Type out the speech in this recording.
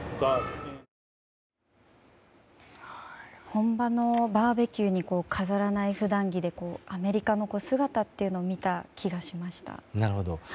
本場のバーベキューに飾らない普段着でアメリカの姿っていうのを見た気がしました。